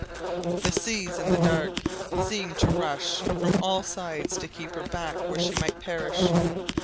The seas in the dark seemed to rush from all sides to keep her back where she might perish.